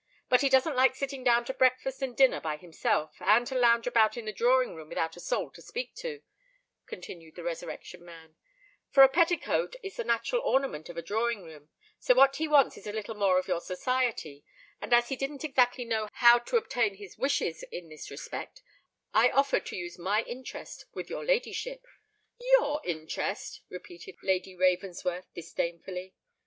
"But he doesn't like sitting down to breakfast and dinner by himself, and to lounge about in the drawing room without a soul to speak to," continued the Resurrection Man; "for a petticoat is the natural ornament of a drawing room. So what he wants is a little more of your society; and as he didn't exactly know how to obtain his wishes in this respect, I offered to use my interest with your ladyship." "Your interest!" repeated Lady Ravensworth, disdainfully.